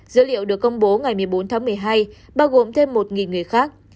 dữ liệu được công bố ngày một mươi bốn tháng một mươi hai bao gồm thêm một người khác